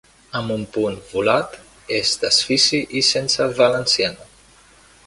Amb un punt volat és desfici i sense valenciana.